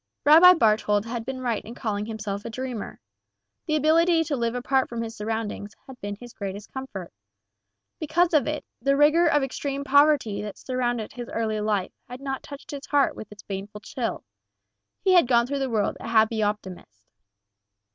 Rabbi Barthold had been right in calling himself a dreamer. The ability to live apart from his surroundings, had been his greatest comfort. Because of it, the rigor of extreme poverty that surrounded his early life had not touched his heart with its baneful chill. He had gone through the world a happy optimist.